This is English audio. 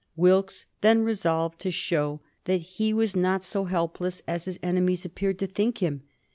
Wilkes then resolved to show that he was not so helpless as his enemies appeared to think him.